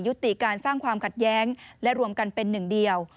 ยุติการสร้างความขัดแย้งและรวมกันเป็นหนึ่งเดียว